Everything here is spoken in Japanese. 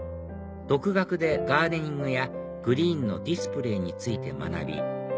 独学でガーデニングやグリーンのディスプレーについて学び